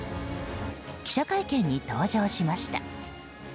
記者会見に登場しました。